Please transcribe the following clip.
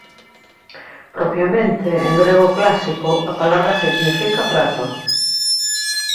Propiamente, en grego clásico, a palabra significa «prato».